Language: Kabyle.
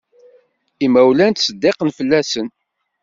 Imawlan, nettseddiq fell-asen.